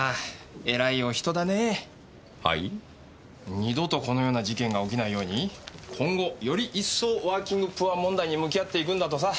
二度とこのような事件が起きないように今後より一層ワーキングプア問題に向き合っていくんだとさ。